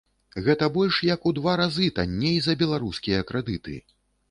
Гэта больш як у два разы танней за беларускія крэдыты!